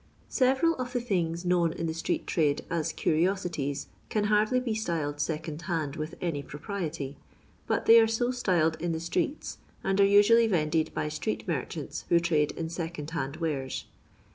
Sbyb&al of the things known in the street trade as " curiosities " can hardly be styled second hand with any propriety, but they are so styled in the streets, and are usually vended by street merchants who trade in second hand wares.